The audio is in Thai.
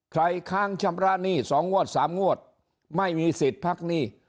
ค้างชำระหนี้๒งวด๓งวดไม่มีสิทธิ์พักหนี้